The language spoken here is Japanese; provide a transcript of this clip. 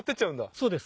そうです。